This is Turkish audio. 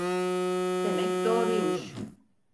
Demek doğruymuş.